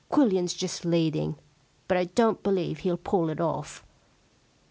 Quillian's just leading, but I don't believe he'll pull it off.